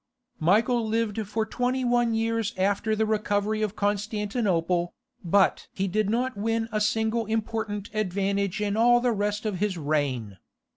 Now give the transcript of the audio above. Michael lived for twenty one years after the recovery of Constantinople, but he did not win a single important advantage in all the rest of his reign.